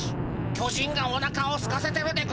巨人がおなかをすかせてるでゴンス。